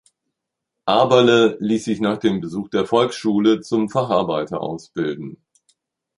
Aberle ließ sich nach dem Besuch der Volksschule zum Facharbeiter ausbilden.